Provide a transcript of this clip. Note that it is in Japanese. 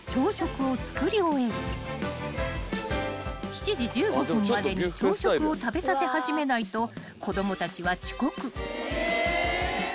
［７時１５分までに朝食を食べさせ始めないと子供たちは遅刻］